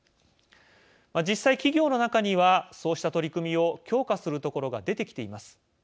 実際、企業の中にはそうした取り組みを強化する所が出てきています。